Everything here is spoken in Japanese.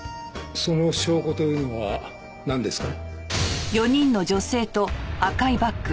その証拠というのはなんですか？